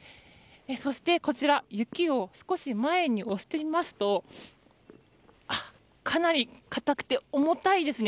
そして、雪を少し前に押してみますとかなり固くて重たいですね。